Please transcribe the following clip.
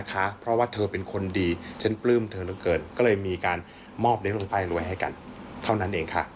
ก็เลยมีการมอบเด็กลงไฟหลวยให้กันเท่านั้นเองค่ะ